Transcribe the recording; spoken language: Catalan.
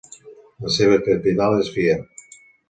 La seva capital és Fier.